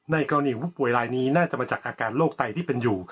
กรณีผู้ป่วยลายนี้น่าจะมาจากอาการโรคไตที่เป็นอยู่